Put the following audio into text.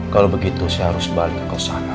kalau begitu saya harus balik ke sana